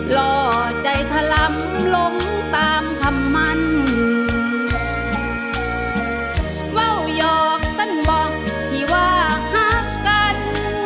หล่อใจถล่ำลงตามคำมันว่าวหยอกสั้นบอกที่ว่าฮักกัน